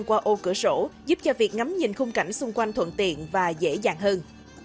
qua ô cửa sổ giúp cho việc ngắm nhìn khung cảnh xung quanh thuận tiện và dễ dàng hơn